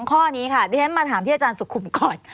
ข้อนี้ค่ะดิฉันมาถามที่อาจารย์สุขุมก่อน